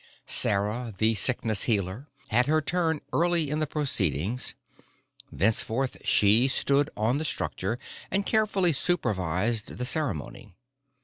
Sarah the Sickness Healer had her turn early in the proceedings; thenceforth, she stood on the structure and carefully supervised the ceremony.